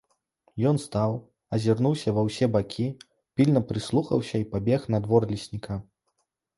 Ён стаў, азірнуўся ва ўсе бакі, пільна прыслухаўся і пабег на двор лесніка.